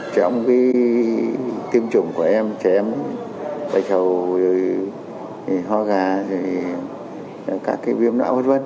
trong cái tiêm chủng của em trẻ em bạch hầu hoa ga các cái viêm não rớt rớt